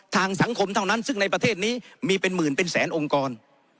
ทางสังคมเท่านั้นซึ่งในประเทศนี้มีเป็นหมื่นเป็นแสนองค์กร